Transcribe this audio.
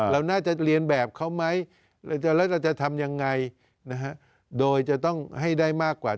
เราน่าจะเรียนแบบเขาไหมแล้วเราจะทำยังไงนะฮะโดยจะต้องให้ได้มากกว่า